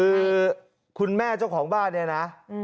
คือคุณแม่เจ้าของบ้านเนี่ยนะ